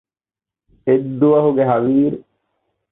އެއްދުވަހުގެ ހަވީރު